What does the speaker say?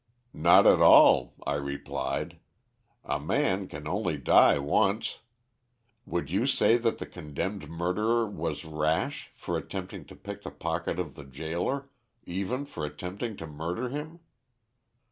"'Not at all,' I replied. 'A man can only die once. Would you say that the condemned murderer was rash for attempting to pick the pocket of the gaoler, even for attempting to murder him?